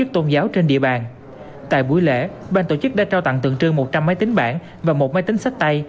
tại buổi lễ ban tổ chức đã trao tặng tượng trương một trăm linh máy tính bản và một máy tính sách tay